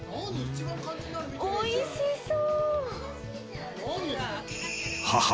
おいしそう！